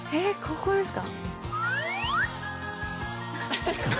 ここですか？